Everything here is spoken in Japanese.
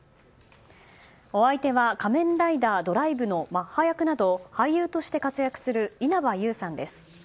お相手は「仮面ライダードライブ」のマッハ役など俳優として活躍する稲葉友さんです。